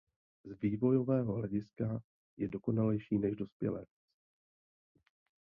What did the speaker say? Z vývojového hlediska je „dokonalejší“ než dospělec.